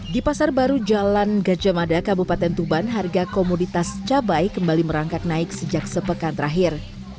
di pasar baru jalan gajah mada kabupaten tuban harga komoditas cabai kembali merangkak naik sejak sepekan terakhir